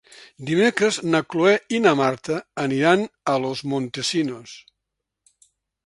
Divendres na Cloè i na Marta aniran a Los Montesinos.